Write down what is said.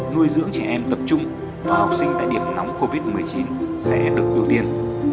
nuôi dưỡng trẻ em tập trung và học sinh tại điểm nóng covid một mươi chín sẽ được ưu tiên